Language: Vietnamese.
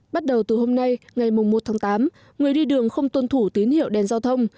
bắt đầu từ hôm nay ngày một tháng tám người đi đường không tuân thủ tín hiệu đèn giao thông